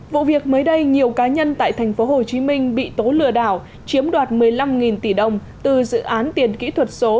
vụ việc mới đây nhiều cá nhân tại thành phố hồ chí minh bị tố lừa đảo chiếm đoạt một mươi năm tỷ đồng từ dự án tiền kỹ thuật số